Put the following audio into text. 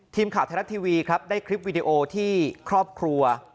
ทีมข่าวไทยรัฐทีวีครับได้คลิปวิดีโอที่ครอบครัว